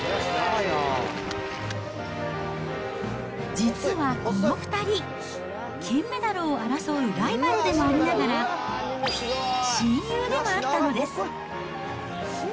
実はこの２人、金メダルを争うライバルでもありながら、親友でもあったのです。